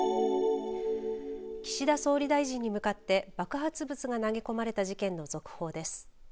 岸田総理大臣に向かって爆発物が投げ込まれた事件の続報です。